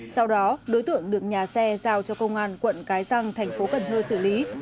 sau đó đối tượng được nhà xe giao cho công an quận cái răng thành phố cần thơ xử lý